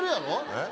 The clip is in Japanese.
えっ？